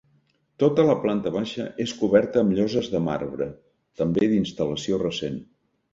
Tota la planta baixa és coberta amb lloses de marbre, també d'instal·lació recent.